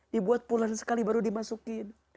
dibuat pulang sekali baru dimasukin